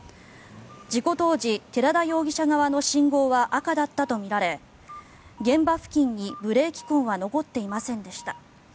事故当時、寺田容疑者側の信号は赤だったとみられ現場付近にブレーキ痕は残っていませんでした。